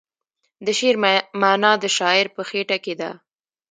د شعر معنی د شاعر په خیټه کې ده .